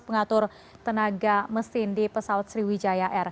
pengatur tenaga mesin di pesawat sriwijaya air